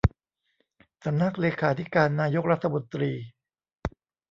สำนักเลขาธิการนายกรัฐมนตรี